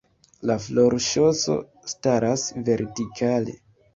La florŝoso staras vertikale.